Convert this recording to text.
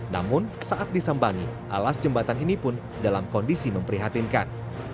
namun saat disambangi alas jembatan ini pun dalam kondisi memprihatinkan